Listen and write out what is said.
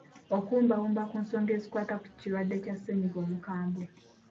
Okuwumbawumba ku songa ezikwata ku kirwadde kya ssennyga omukambwe.